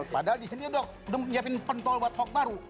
padahal di sini sudah menyiapkan pentol buat hoax baru